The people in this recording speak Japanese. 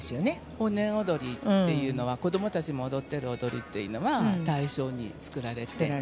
豊年踊りというのは子どもたちも踊っている踊りというのは大正に作られて。